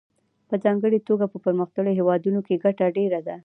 په ځانګړې توګه په پرمختللو هېوادونو کې ګټه ډېره ده